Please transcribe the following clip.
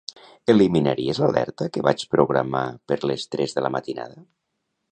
Eliminaries l'alerta que vaig programar per les tres de la matinada?